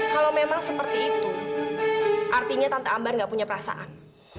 kalau memang seperti itu artinya tante ambar nggak punya perasaan